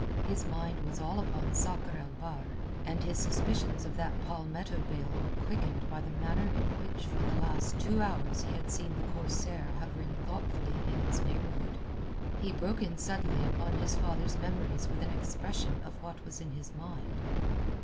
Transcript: His mind was all upon Sakr el Bahr, and his suspicions of that palmetto bale were quickened by the manner in which for the last two hours he had seen the corsair hovering thoughtfully in its neighbourhood. He broke in suddenly upon his father's memories with an expression of what was in his mind.